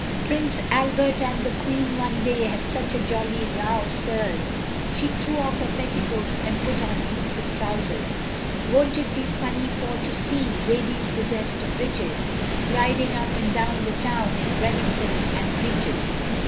Prince Albert and the Queen one day, Had such a jolly row, sirs, She threw off her petticoats And put on boots and trousers; Won't it be funny for to see Ladies possessed of riches, Riding up and down the town In Wellingtons and breeches.